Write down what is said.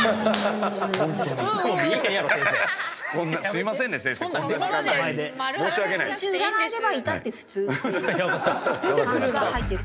すいませんね先生。